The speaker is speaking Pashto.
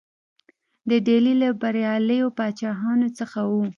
د ډهلي له بریالیو پاچاهانو څخه وو.